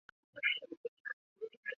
胡麻黄耆为豆科黄芪属的植物。